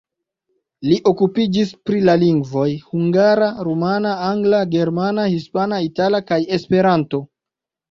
Li okupiĝis pri la lingvoj hungara, rumana, angla, germana, hispana, itala kaj Esperanto.